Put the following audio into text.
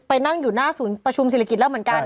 นั่งอยู่หน้าศูนย์ประชุมศิริกิจแล้วเหมือนกัน